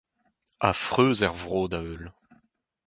Ha freuz er vro da heul.